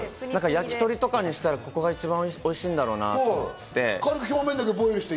焼き鳥とかにしたらここが一番おいしいんだろうなと思って。